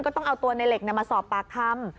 ต้องเอาตัวในเหล็กมาสอบปากคำ